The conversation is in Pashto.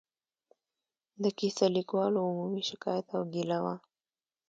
د کیسه لیکوالو عمومي شکایت او ګیله وه.